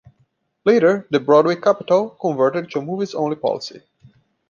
Later the Broadway Capitol converted to a movies-only policy.